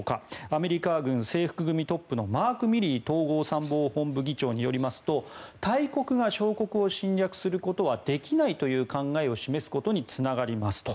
アメリカ軍制服組トップのマーク・ミリー統合参謀本部議長によりますと大国が小国を侵略することはできないという考えを示すことにつながりますと。